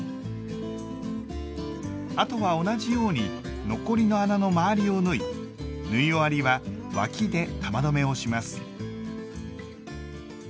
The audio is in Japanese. あとは同じように残りの穴の周りを縫い縫い終わりは脇で玉留めをします。